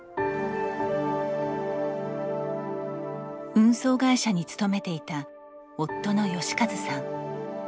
運送会社に勤めていた夫の義和さん。